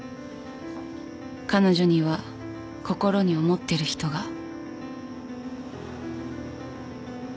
彼女には心に思ってる人が。